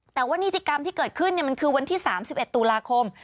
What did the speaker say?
แต่ว่านิติกรรมที่เกิดขึ้นมันคือวันที่๓๑ตุลาคม